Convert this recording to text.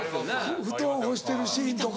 布団干してるシーンとか。